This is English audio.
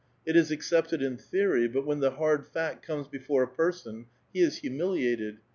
It is accepted in theory, but when the hard fact comes before a person, he is humiliated.